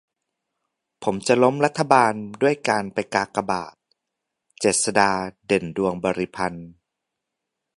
"ผมจะล้มรัฐบาลด้วยการไปกากบาท" - เจษฎา เด่นดวงบริพันธ์